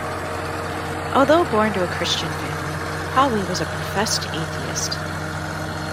Although born into a Christian family, Hawi was a professed atheist.